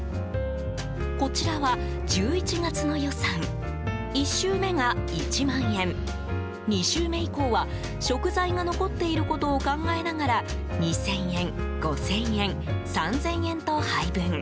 こちらは１１月の予算１週目が１万円２週目以降は、食材が残っていることを考えながら２０００円、５０００円３０００円と配分。